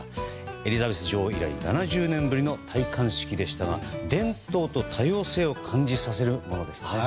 エリザベス女王以来７０年ぶりの戴冠式でしたが伝統と多様性を感じさせるものでした。